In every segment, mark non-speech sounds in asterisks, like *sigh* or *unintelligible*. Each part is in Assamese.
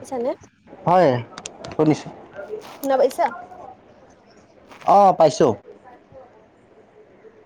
পাইছানে হয় শুনিছোঁ। শুনা পাইছা অ, পাইছো।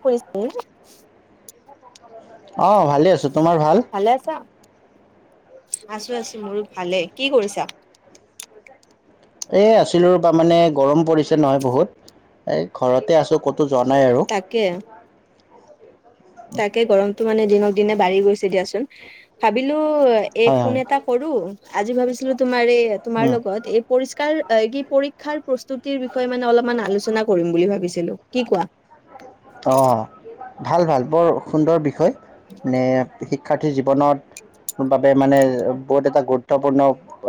শুনিছেনে? *unintelligible* অ, ভালে আছো। ভালে আছা? আছো আছো মোৰো ভালে। কি কৰিছা? এ, আছিলো ৰব মানে গৰম পৰিছে নহয় বহুত এ ঘৰতে আছো ক'ত? তো যোৱা আৰু তাকে তাকে গৰমতটো মানে দিনক দিনে বাঢ়ি গৈছে দিয়াচোন ভাবিলোঁ এই হয় ফোন হয় এটা কৰো আজি ভাবিছিলো তোমাৰ এই তোমাৰ উম। লগত এই পৰিষ্কাৰ তা কি পৰীক্ষাৰ প্ৰস্তুতিৰ বিষয়ে মানে অলপমান আলোচনা কৰিম বুলি ভাবিছিলো কি কোৱা? অ, ভাল ভাল বৰ সুন্দৰ বিষয় নে বি- শিক্ষাৰ্থী জীৱনত বাবে মানে বহুত এটা গুৰুত্বপূৰ্ণ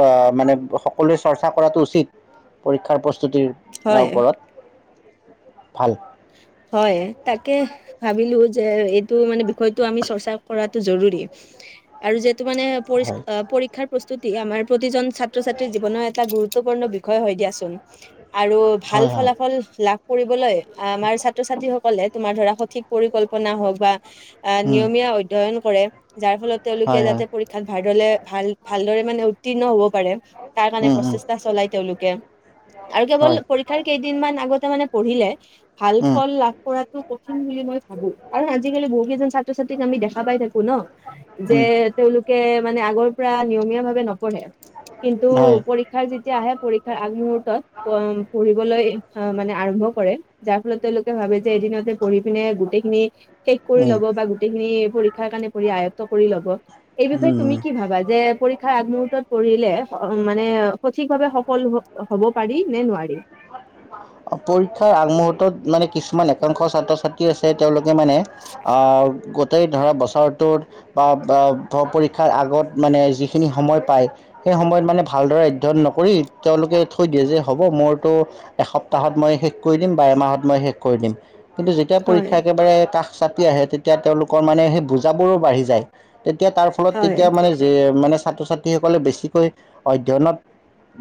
আহ মানে সকলোৱে চৰ্চা কৰাটো উচিত। পৰীক্ষাৰ প্ৰস্তুতিৰ হয় ওপৰত ভাল হয়, তাকে ভাবিলো যে এইটো মানে বিষয়টো আমি চৰ্চা কৰাত জৰুৰী আৰু যিহেতু মানে হয় পৰীক্ষাৰ প্ৰস্তুতি আমাৰ প্ৰতিজন ছাত্ৰ-ছাত্ৰীৰ জীৱনৰ এটা গুৰুত্বপূৰ্ণ বিষয় হয় দিয়াচোন। আৰু ভাল হয় হয় ফলাফল লাভ কৰিবলৈ আমাৰ ছাত্ৰ-ছাত্ৰীসকলে তোমাৰ ধৰা সঠিক পৰিকল্পনা হওক বা আহ উম, নিয়মীয়া অধ্যয়ন কৰে যাৰ ফলত তেওঁলোকে হয় হয় যাতে পৰীক্ষাত ভালদৰে ভাল ভালদৰে মানে উত্তীৰ্ণ হ'ব পাৰে। তাৰ কাৰণে উম উম, প্ৰচেষ্টা চলাই তেওঁলোকে আৰু কেৱল হয় পৰীক্ষাৰ কেইদিন মান আগতে মানে পঢ়িলে ভাল উম ফল লাভ কৰাটো কঠিন বুলি মই ভাবো কাৰ আজিকালি বহু কেইজন ছাত- ছাত্ৰ-ছাত্ৰীক আমি দেখা পাই থাকো ন যে উম, তেওঁলোকে মানে আগৰ পৰা নিয়মীয়া ভাৱে ন- পঢ়ে কিন্তু হয় পৰীক্ষাৰ যেতিয়া আহে পৰীক্ষাৰ আগমুহুৰ্তত পঢ়িবলৈ অ, মানে আৰম্ভ কৰে যাৰ ফলত তেওঁলোকে ভাবে যে এদিনতে পঢ়ি পিনে গোটেইখিনি শেষ কৰি উম, ল'ব বা গোটেইখিনি পৰীক্ষাৰ কাৰণে পঢ় আয়ত্ব কৰি ল'ব। এই বিষয়ে হুম, হুম। তুমি কি ভাবা যে পৰীক্ষাৰ আগমুহূৰ্তত পঢ়িলে অ, মানে সঠিক ভাৱে সফল হ হব পাৰি নে নোৱাৰি? পৰীক্ষাৰ আগমুহূৰ্তত মানে কিছুমান একাংশ ছাত্ৰ ছাত্ৰী আছে তেওঁলোকে যা মানে আ গত গোটেই ধৰা বছৰটোত বা পৰীক্ষাৰ আগত মানে যিখিনি সময় পায়। সময়ত মানে ভালদৰে অধ্যয়ন নকৰি তেওঁলোকে থৈ দিয়ে যে হ'ব মোৰ টো এসপ্তাহত মই শেষ কৰি দিম বা এমাহত মই শেষ কৰি দিম। কিন্তু যেতিয়া হয় পৰীক্ষা একেবাৰে কাষ চাপি আহে তেতিয়া তেওঁলোকৰ মানে সেই বুজাবোৰো বাঢ়ি যায়। তেতিয়া তাৰ ফলত হয় তেতিয়া মানে যে মানেছ ছাত্ৰ-ছাত্ৰীসকলে বেছিকৈ অধ্যয়নত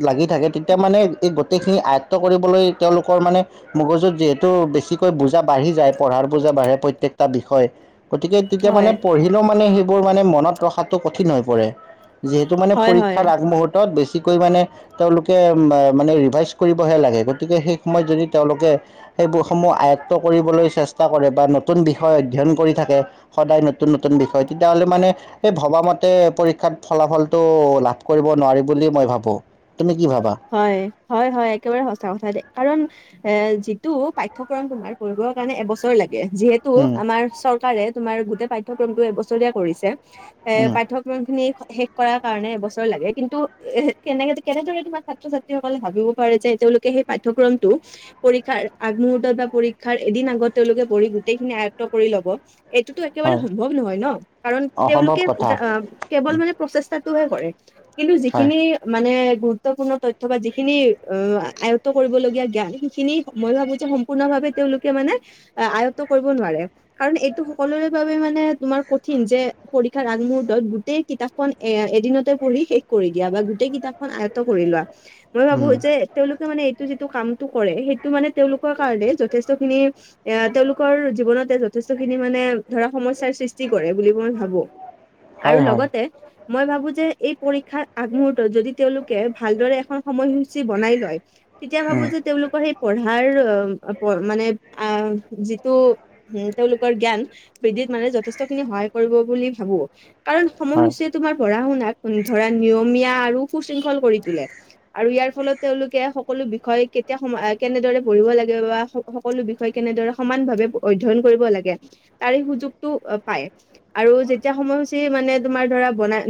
লাগি থাকে তেতিয়া মানে এই গোটেই খিনি আয়ত্ব কৰিবলৈ তেওঁলোকৰ মানে মগজুত যিহেতু বেছিকৈ বুজা বাঢ়ি যায় পঢ়াৰ বোজা বাঢ়- হে প্ৰত্যেকটা বিষয়। গতিকে তেতিয়া মানে হয় পঢ়িলেও মানে সেইবোৰ মানে মনত ৰখাটো কঠিন হৈ পৰে। যিহেতু মানে হয় হয় পৰীক্ষাৰ আগমুহূৰ্তত বেছিকৈ মানে তেওঁলোকে মানে ৰিভাইজ কৰিব হে লাগে গতিকে সেই সময়ত যদি তেওঁলোকে সেইসমূহ আয়ত কৰিবলৈ চেষ্টা কৰে বা নতুন বিষয় অধ্যয়ন কৰি থাকে সদায় নতুন নতুন বিষয় তেতিয়াহ'লে মানে এই ভবা মতে ক্ষাত ফলাফলটো লাভ কৰিব নোৱাৰি বুলি মই ভাবো। হয়, হয়, হয়। একেবাৰে সচা কথা দে। কাৰণ, এ যিটো পাঠ্যক্ৰম তোমাৰ কঢ়ি বৰ কাৰণে এবছৰ লাগে। যিহেতু উম, আমাৰ চৰকাৰে তোমাৰ গোটেই পাঠ্যক্ৰমটো এবছৰীয়া কৰিছে। এ উম, পাঠ্যক্ৰম খিনি শেষ কৰাৰ কাৰণে এবছৰ লাগে কিন্তু এ কেনেকে কেনেদৰে মান ছাত্ৰ-ছাত্ৰীসকলে ভাবিব পাৰে যে তেওঁলোকে সেই পঠ্য়ক্ৰমটো পৰীক্ষাৰ আগমহূৰ্তত বা পৰীক্ষা এদিন আগত তেওঁলোকে পঢ়ি গোটেইখিনি আয়ত্ব কৰি ল'ব। এইটোতো একেবাৰে হয় সম্ভৱ নহয় ন কাৰণ অসম্ভৱ তেওঁলোকে কথা কেৱল মানে প্ৰচেষ্টাত টোহে কৰে কিন্তু হয় যিখিনি মানে গুৰুত্বপূৰ্ণ তথ্য বা যিখিনি অ আয়ত্ব কৰিবলগীয়া জ্ঞান সেইখিনি মই ভাবো যে সম্পূৰ্ণভাৱে তেওঁ তেওঁলোকে মানে আয়ত্ব কৰিব নোৱাৰে। কাৰণ, এইটো সকলোৰে বাবে মানে তোমাৰ কঠিন যে, পৰীক্ষাৰ আগমুহুৰ্তত গোটেই কিতাপখন এ এদিনতে পঢ়ি শেষ কৰি দিয়া বা গোটেই কিতাপখন কৰি লোৱা মই ভাবো উম, যে তেওঁলোকে মানে এইটো যিটো কামটো কৰে সেই ত মানে তেওঁলোকৰ কাৰণে যথেষ্ট খিনি এ তেওঁলোকৰ জীৱনতে যথেষ্ট খিনি মানে ধৰা সমস্যাৰ সৃষ্টি কৰে বুলি মই ভাবো। আৰু হয় হয় লগতে মই ভাবো যে এই পৰীক্ষাৰ আগমহুৰ্তত যদি তেওঁলোক। তেওঁলোকে ভালদৰে এখন সময়সূচী বনাই লয় তেতিয়া ভাবো উম, যে তেওঁলোকৰ সেই পঢ়া। আৰু *inaudible* মানে যিটো তেওঁলোকৰ জ্ঞান বৃদ্ধি মানে *unintelligible* যথেষ্ট খিনি সহায় কৰিব বুলি ভাবো। কাৰণ সময় হয় হৈছে তোমাৰ পঢ়া শুনা ধৰা নিয়মীয়া আৰু সুস্থ। তিং কৰি তোলে আৰু ইয়াৰ ফলত তেওঁলোকে সকলো বিষয় কেতিয়া কেনে পঢ়িব লাগে। বা সকলো বিষয় কেনেদৰে সমান ভাৱে অধ্য়ন কৰিব লাগে তাৰে সুযোগতটো পায়। আৰু যেতিয়া সময়সূচী মানে তোমাৰ ধৰা বনাই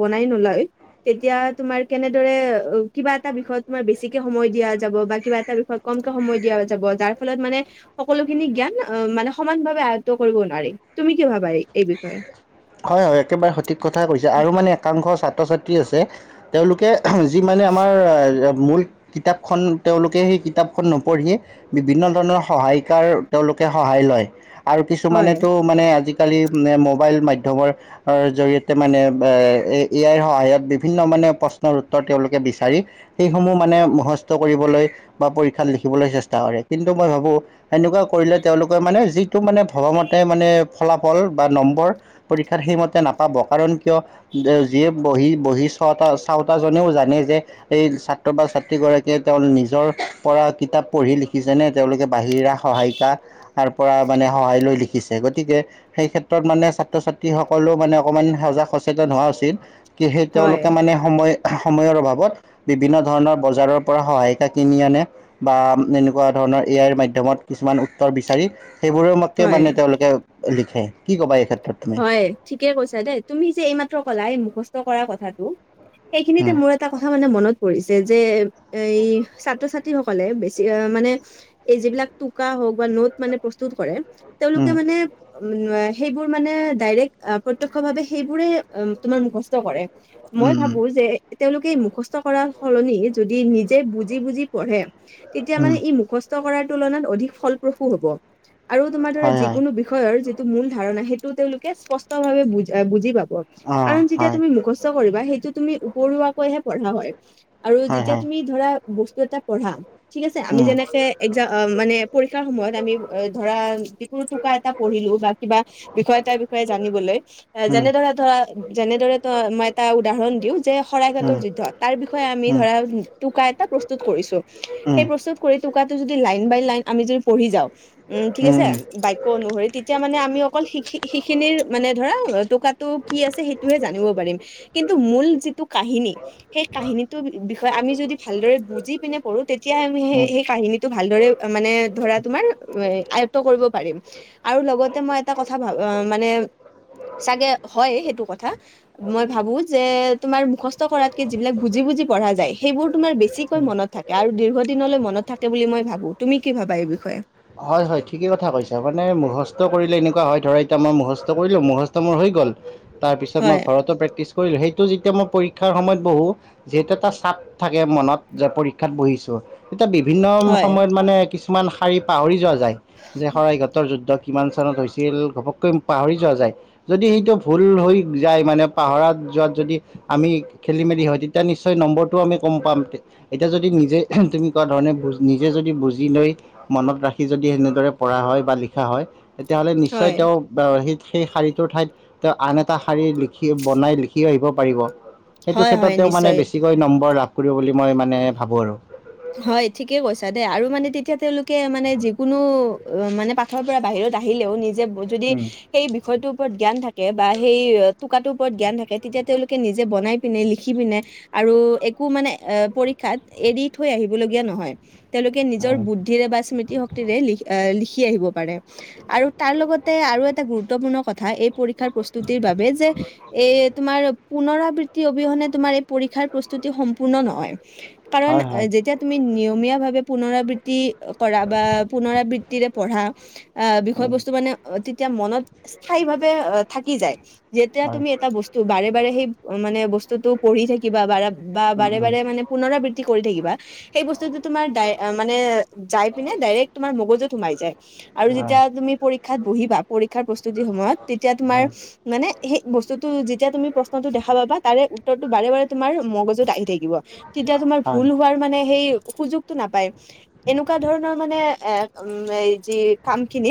বনাই নলয় তেতিয়া। তোমাৰ কেনেদৰে অ কিবা এটা বিষয়ত তুমাৰ বেছিকে সময় দিয়া যাব বা কিবা এটা বিষয়ত কমকে সময় দিয়া। যাৰ ফলত মানে সকলোখিনি জ্ঞান মানে সমান ভাৱে আয়ত্ব কৰিব নোৱাৰি। তুমি কি ভাবা? এই বিষয়ত হয় হয় একেবাৰে সঠিক কথা কৈছে আৰু মানে একাংশ ছাত্ৰ ছাত্ৰী আছে তেওঁলোকে যি মানে আমাৰ মূল কিতাপখন তেওঁলোকে সেই কিতাপখন নপঢ়িয়ে বিভিন্ন ধৰণৰ সহায়িকাৰ তেওঁলোক তেওঁ সহায় লয় আৰু কিছুমানে হয় টো আজি কালি টো মোবাইল মাধ্যম মাধ্যমৰ জৰিয়তে মানে এ আইৰ সহায়ত বিভিন্ন মানে প্ৰশ্নৰ উত্তৰ তেওঁলোকে বিচাৰি সেইসমূহ মানে মুখস্থ কৰিবলৈ বা পৰীক্ষাত লিখিবলৈ চেষ্টা কৰে কিন্তু মই ভাবোঁ সেনেকুৱা কৰিলে তেওঁলোকে মানে যিটো মানে ভবামতে মানে ফলাফল বা নম্বৰ পৰীক্ষাত সেইমতে নাপাব কাৰণ কিয় যিয়ে বহি বহি চাওতা চাওতা জনেও জানে এই ছাত্ৰ বা ছাত্ৰী গৰাকীয়ে তেওঁ নিজৰ পৰা কিতাপ পঢ়ি লিখিছেনে তেওঁলোকে বাহি সিৰা সহায়িকা পৰা মানে সহায় লৈ লিখিছে গতিকে সেইক্ষেত্ৰত মানে ছাত্ৰ ছাত্ৰী তে সকলো মানে অকমান সজাগ- সচেতন হোৱা উচিত। কি সেই হয় তেওঁলোকে মানে সময় সময়ৰ অভাৱত বিভিন্ন ধৰণৰ বজাৰৰ পৰা সহায়িকা কিনি আনে বা এনেকুৱা ধৰ আপোনাৰ এ আইৰ মাধ্যমত কিছুমান উত্তৰ বিচাৰি সেইবোৰৰে মতে হয় মানে তেওঁলোকে লিখে। কি ক'বা এই ক্ষেত হয়, ঠিকে কৈছা দেই। তুমি যে এইমাত্ৰ ক'লা এই মুখস্থ কৰা কথাটো। সেইখিনিতে মোৰ এটা কথা মানে মনত পৰিছে যে এই ছাত্ৰ-ছাত্ৰী সকলে বেছি মানে এই যিবিলাক টোকা হওক বা নোট মানে প্ৰস্তুত কৰে। তেওঁলোকে মানে সেইবোৰ মানে ডাইৰেক প্ৰত্যক্ষভাৱে সেইবোৰে তোমাৰ মুখস্থ কৰে। মই ভাবো যে তেওঁলোকে মুখস্থ কৰাৰ সলনি যদি নিজে বুজি বুজি পঢ়ে তেতিয়া মানে ই মুখস্থ কৰাৰ তুলনাত অধিক ফলপ্ৰসূ হ'ব। আৰু তোমাৰ ধৰা যিকোনো বিষয়ৰ যিটো মূল ধাৰণা সেইটো তেওঁলোকে স্পষ্টভাৱে বুজ বুজি পাব। কাৰণ যেতিয়া তুমি মুখস্থ কৰিবা সেইটো তুমি উপৰুৱাকৈহে পঢ়া হয়। আৰু যেতিয়া তুমি ধৰা বস্তু এটা পঢ়া ঠিক আছে আমি উম যেনেকে একজাম মানে পৰীক্ষাৰ সময়ত আমি ধৰা যিকোনো টোকা এটা পঢ়িলো বা কিবা বিষয় এটাৰ বিষয়ে জানিবলৈ এ উম যেনেদৰে ধৰা যেনেদৰে ত মই এটা উদাহৰণ দিওঁ যে শৰাইঘাটৰ যুদ্ধ তাৰ বিষয়ে আমি উম উম ধৰা টোকা এটা প্ৰস্তুত কৰিছোঁ। সেই প্ৰস্তুত কৰি টোকাটো যদি লাইন বাই লাইন আমি যদি পঢ়ি যাও, ওম ঠিক আছে উম বাক্য অনুসৰি তেতিয়া মানে আমি অক অকল সিখিনিৰ সিখিনৰ মানে ধৰা টোকাটো কি আছে সেইটোহে জানিব পাৰিম। কিন্তু মূল যি টো কাহিনী সেই কাহিনীটোৰ বিষয়ে আমি যদি ভালদৰে বুজি পিনে পঢ়ো তেতিয়া আমি সে উম সেই কাহিনীটো ভাল দৰে মানে ধৰা তোমাৰ আয়ত্ত কৰিব পাৰিম আৰু লগতে মই এটা কথা ভা মানে চাগে হয় সেইটো কথা। মই ভাবো যে তোমাৰ মুখস্থ কৰাতকে যিবিলাক বুজি বুজি পঢ়া যায় সেইবোৰ তোমাৰ বেছিকৈ মনত থাকে আৰু দীৰ্ঘদিনলৈ মনত থাকে বুলি মই ভাবো। তুমি কি ভাবা এই বিষয়ে? হয় হয় ঠিকেই কথা কৈছ মানে মুখস্থ কৰিলে এনেকুৱা হয় ধৰা এতিয়া মই মুখস্থ কৰিলো মুখস্থ মোৰ হৈ গ'ল। তাৰপিছত মই হয় ঘৰতো প্ৰেক্টিছ কৰিলো সেইটো। এতিয়া মই পৰীক্ষাৰ সময়ত বহো যিহেতু এটা চাপ থাকে মনত যে পৰীক্ষাত বহিছো। এতিয়া বিভিন্ন হয় সময়ত মানে কিছুমান শাৰী পাহৰি যোৱা যায় যে শৰাইঘাটৰ যুদ্ধ- কিমান চনত হৈছিল ঘপককৈ পাহৰি যোৱা যায় যদি সেইটো ভুল হৈ যায় মানে পাহৰা যোৱা যদি আমি খেলি মেলি হয় তেতিয়া নিশ্চয় নম্বৰটোও আমি কম পাম এতিয়া যদি নিজে- তুমি কোৱা ধৰণে নিজে যদি বুজি লৈ- মনত ৰাখি যদি সেনেদৰে পঢ়া হয়। বা লিখা হয় তেতিয়াহ'লে নিশ্চয় হয়, তেওঁ- সেই শাৰীটো ঠাইত তেওঁ আন এটা শাৰী লিখি বনাই লিখি আহিব পাৰিব- সেইটো হয়, ক্ষেত্ৰত হয় তেওঁ মানে নিশ্চয়। বেছিকৈ নম্বৰ লাভ কৰিব বুলি মই মানে ভাবো আৰু- হয় ঠিকেই কৈছা দেই আৰু মানে তেতিয়া তেওঁলোকে মানে যিকোনো- অ মানে পাঠৰ পৰা বাহিৰত আহিলেও নিজে যদি উম, সেই বিষয়টো ওপৰত জ্ঞান থাকে বা সেই টোকৰ ওপৰত জ্ঞান থাকে তেতিয়া তেওঁলোকে নিজে বনাই পিনে লিখি পিনে আৰু একো মানে এ পৰীক্ষাত এৰি থৈ আহিবলগীয়া নহয় তেওঁলোকে নিজৰ হয় বুদ্ধিৰে বা স্মৃতি শক্তিৰে ল আহ লিখি আহিব পাৰে। আৰু তাৰ লগতে আৰু এটা গুৰুত্বপূৰ্ণ কথা এই পৰীক্ষাৰ প্ৰস্তুতিৰ বাবে যে এ তোমাৰ পুনৰাবৃত্তি অবিহনে তোমাৰ এই পৰীক্ষাৰ প্ৰস্তুতি সম্পূৰ্ণ নহয় হয় কাৰণ- হয় হয় যেতিয়া তুমি নিয়মীয়া ভাৱে পুনৰাবৃত্তি কৰা বা পুনৰাবৃতি পঢ়া আহ বিষয় উম, বস্তু মানে তেতিয়া মনত স্থায়ী ভাৱে থাকি যায়। যেতিয়া হয় তুমি এটা বস্তু বাৰে বাৰে সেই মানে বস্তুতটো পঢ়ি থাকিবা বাৰে- বা উম, বাৰে উম। বাৰে মানে পুনৰাবৃত্তি কৰি থাকিবা সেই বস্তুটো- তোমাৰ ডাই মানে জাই পিনেডাইৰেক তোমাৰ মগজত সোমাই যায় আৰু হয় যেতিয়া তুমি পৰীক্ষ শিক্ষাত বহিবা পৰীক্ষাৰ প্ৰস্তুতিৰ সময়ত তেতিয়া তোমাৰ হয় মানে সেই বস্তুতটো যেতিয়া তুমি প্ৰশ্নতটো দেখা পাবা তাৰে উত্তৰটো বাৰে বাৰে তোমাৰ মগজুত আহি থাকিব তেতিয়া তোমাৰ- ভাল ভুল হোৱাৰ মানে সেই সুযোগতটো নাপায় এনেকুৱা ধৰণৰ মানে এ উ যি কাম খিনি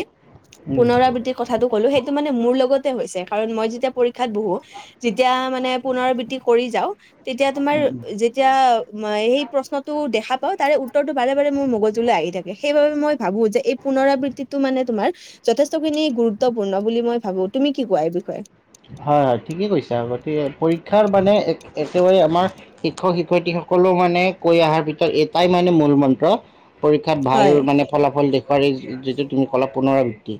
উম পুনৰাবৃত্তিৰ কথাটো ক'লো সেইটো মানে মোৰ লগত- কাৰণ মই যেতিয়া পৰীক্ষাত বহো যেতিয়া মানে পুনৰব্তি কৰি যাওঁ। তেতিয়া তোমাৰ উম উম। যেতিয়া। ম সেই প্ৰশ্নটো দেখা পাও তাৰে উত্তৰটো বাৰে বাৰে মোৰ মগজুলৈ আহি থাকে। সেইবাবে মই ভাবো যে এই পুনৰাবৃত্তিটো মানে তোমাৰ যথেষ্ট খিনি গুৰুত্বপূৰ্ণ বুলি মই ভাবো। তুমি কি কোৱা এই বিষয়ে। হয় হয় ঠিকে কৈছো আৰু গতিকে পৰীক্ষাৰ মানে একোৰে আমাৰ শিক্ষক শিক্ষয়িত্ৰীসকল- সকলো মানে কৈ অহাৰ ভিতৰত এটাই মানে মূল মন্ত্ৰ পৰীক্ষাত ভাল হয় মানে ফলাফল দেখ- যিটো তুমি কলা পুনৰাবৃত্তি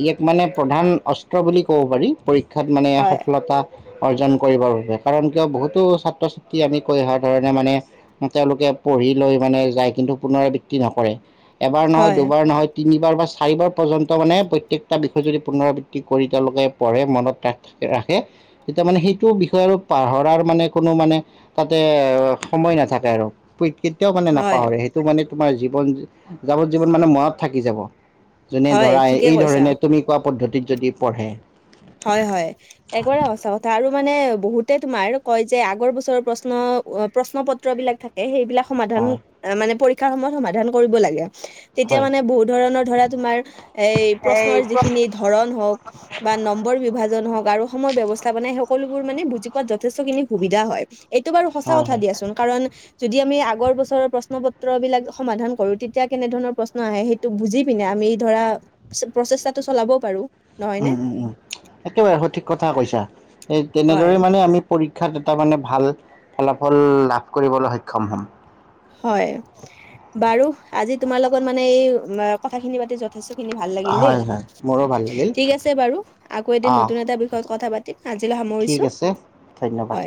ই এক মানে প্ৰধান অস্ত্ৰ বুলি ক'ব পাৰি পৰীক্ষা- শিক্ষাত মানে হয় সফলতা অৰ্জন কৰিবৰ বাবে কাৰণ কিয় বহুতো ছাত্ৰ ছাত্ৰী আমি কৈ অহা ধৰণে মানে তেওঁলোকে- পঢ়ি লৈ মানে যায়। কিন্তু পুনৰাবৃত্তি নকৰে এবাৰ নহয় হয় দুবাৰ নহয় তিনিবাৰ বা চাৰিবাৰ পৰ্যন্ত মানে প্ৰত্যেকটা বিষয় যদি পুনৰাবৃত্তি কৰি তেওঁলোকে পঢ়ে মনত ৰাখে তেতিয়া মানে সেইটো বিষয় আৰু পাহৰাৰ মানে কোনো মানে তাতে সময় নাথাকে আৰু কেতিয়াও মানে হয় নাপাহৰে সেইটো মানে তোমাৰ জীৱন যাৱজ জীৱন মানে মনত থাকি যাব। যোনে হয় ধৰা ঠিকে এই কৈছা ধৰণে তুমি কোৱা পদ্ধতিত যদি। পঢ়ে হয় হয় একেবাৰে সচা কথা আৰু মানে বহুতে তোমাৰ কয় যে আগৰ বছৰৰ প্ৰশ্ন প্ৰশ্ন পত্ৰ বিলাক থাকে সেইবিলাক সমাধান হয় মানে পৰীক্ষাৰ সময়ত সমাধান কৰিব লাগে তেতিয়া হয় মানে বহুত ধৰণৰ ধৰা তোমাৰ এই এই প্ৰশ্নৰ প্ৰশ্ন যিখিনি ধৰণ হওক বা ন বিভাজন হওঁক আৰু সম বিবস্তাবনে সকলোবোৰ মানে বুজি পোৱাত যথেষ্ট খিনি সুবিধা হয়। এইটো বাৰু সঁচা হয় কথা হয় দিয়াচোন কাৰণ- যদি আমি আগৰ বছৰৰ প্ৰশ্ন পত্ৰ বিলাক সমাধান কৰো তেতিয়া কেনেধৰণৰ প্ৰশ্ন আহে সেইটো বুজি পিনে আম আমি ধৰা প্ৰচেষ্টাটো চলাবও পাৰো নহয়নে উম উম উম একেবাৰে সঠিক কথা কৈছা এই হয় তেনেদৰে মানে আমি পৰী শিক্ষাত এটা মানে ভাল ফলাফল লাভ কৰিবলৈ সক্ষম হম হয় বাৰু আজি তোমাৰ লগত মানে এই কথাখিনি পাতি যথেষ্ট খিনি ভাল লাগিল দে হয়, হয়, মোৰো ভাল লাগিল। ঠিক আছে বাৰু আকৌ এদিন অ', নতুন এটা বিষয়ত কথা পাতিম আজিলৈ ঠিক সামৰিছোঁ। আছে ধন্যবাদ।